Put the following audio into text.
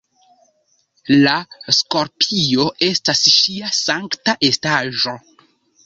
La skorpio estas ŝia sankta estaĵo.